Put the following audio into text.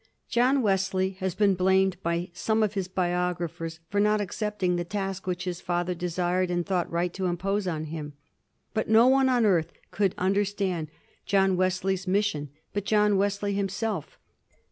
John Wesley has been blamed by some of his biographers for not accepting the task which his father desired and thought right to impose on him. But no one on earth could understand John Wesley's mission but John Wes ley himself.